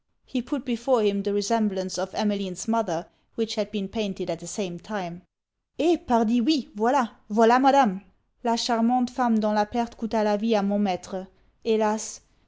He put before him the resemblance of Emmeline's mother, which had been painted at the same time. '_Eh! pardi oui voila voila Madame! la charmante femme, dont la perte couta la vie a mon maitre. Helas!